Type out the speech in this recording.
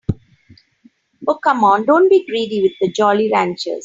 Oh, come on, don't be greedy with the Jolly Ranchers.